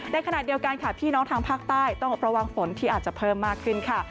ขณะเดียวกันค่ะพี่น้องทางภาคใต้ต้องระวังฝนที่อาจจะเพิ่มมากขึ้นค่ะ